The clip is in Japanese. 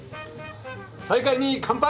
再会に乾杯！